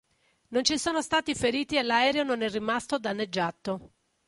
Non ci sono stati feriti e l'aereo non è rimasto danneggiato.